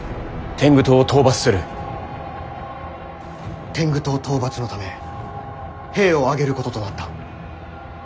天狗党討伐のため兵を挙げることとなった。